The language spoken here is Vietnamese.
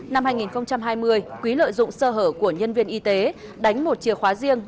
năm hai nghìn hai mươi quý lợi dụng sơ hở của nhân viên y tế đánh một chìa khóa riêng